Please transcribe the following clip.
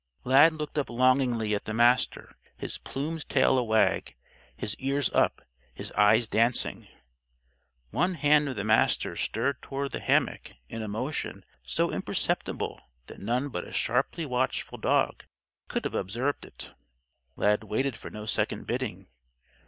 _" Lad looked up longingly at the Master, his plumed tail a wag, his ears up, his eyes dancing. One hand of the Master's stirred toward the hammock in a motion so imperceptible that none but a sharply watchful dog could have observed it. Lad waited for no second bidding.